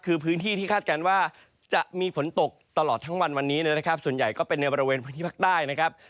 คือพื้นที่ที่คาดการณ์ว่าจะมีฝนตกตลอดทั้งวันวันนี้นะครับส่วนใหญ่ก็เป็นในบริเวณพื้นที่ภาคใต้นะครับ